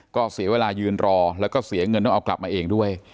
ก็เสียเวลายืนรอแล้วก็เสียเงินต้องเอากลับมาเองด้วย